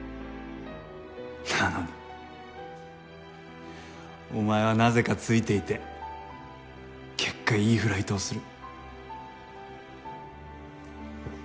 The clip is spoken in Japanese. なのにお前はなぜかツイていて結果いいフライトをする。